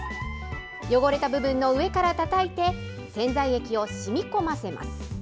汚れた部分の上からたたいて、洗剤液をしみこませます。